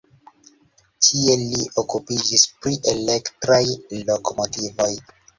Tie li okupiĝis pri elektraj lokomotivoj.